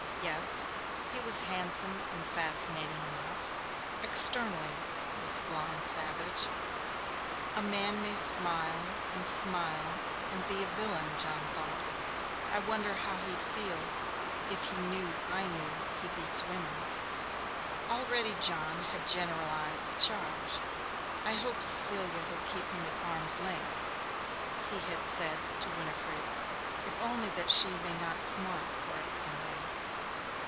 Yes, he was handsome and fascinating enough externally, this blonde savage. 'A man may smile and smile and be a villain,' John thought. 'I wonder how he'd feel, if he knew I knew he beats women.' Already John had generalized the charge. 'I hope Cecilia will keep him at arm's length,' he had said to Winifred, 'if only that she may not smart for it some day.'